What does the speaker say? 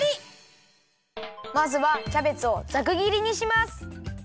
まずはキャベツをざくぎりにします。